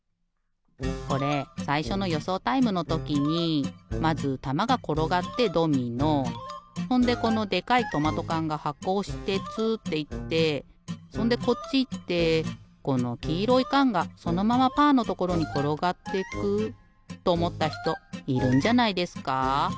これさいしょのよそうタイムのときにまずたまがころがってドミノほんでこのでかいトマトかんがはこおしてつっていってそんでこっちいってこのきいろいかんがそのままパーのところにころがっていくっとおもったひといるんじゃないですか？